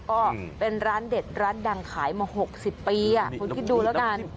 ก็เป็นร้านเด็ดร้านดังขายมา๖๐ปีคุณคิดดูแล้วกัน